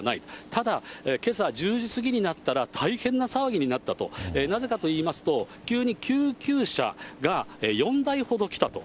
ただ、けさ１０時過ぎになったら、大変な騒ぎになったと、なぜかといいますと、急に救急車が４台ほど来たと。